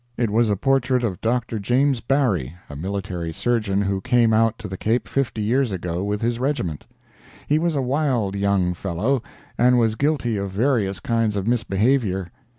It was a portrait of Dr. James Barry, a military surgeon who came out to the Cape fifty years ago with his regiment. He was a wild young fellow, and was guilty of various kinds of misbehavior.